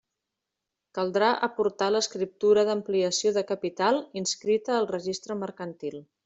Caldrà aportar l'escriptura d'ampliació de capital inscrita al Registre Mercantil.